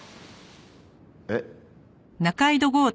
えっ。